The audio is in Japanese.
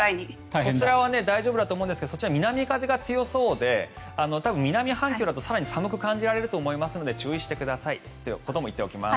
そちらは大丈夫だと思いますがそちらは南風が強そうで多分、南半球だと更に寒く感じられると思いますので注意してくださいということも言っておきます。